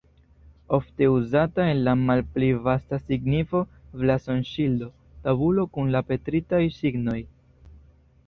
Ofte uzata en la malpli vasta signifo blazon-ŝildo, tabulo kun la pentritaj signoj.